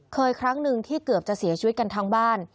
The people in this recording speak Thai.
ครั้งหนึ่งที่เกือบจะเสียชีวิตกันทั้งบ้าน